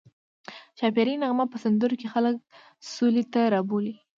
ښاپیرۍ نغمه په سندرو کې خلک سولې ته رابولي